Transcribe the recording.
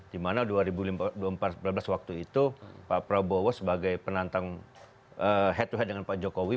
dimana dua ribu empat belas waktu itu pak prabowo sebagai penantang head to head dengan pak jokowi